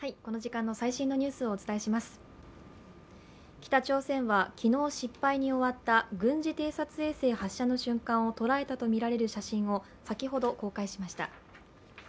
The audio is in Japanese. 北朝鮮は昨日失敗に終わった軍事偵察衛星発射の瞬間を捉えたとみられる写真を先ほど公開しました。